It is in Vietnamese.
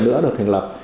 nữa được thành lập